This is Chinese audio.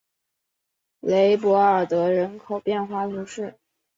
雷博尔德人口变化图示